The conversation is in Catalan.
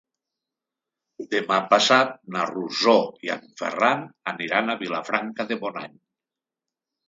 Demà passat na Rosó i en Ferran aniran a Vilafranca de Bonany.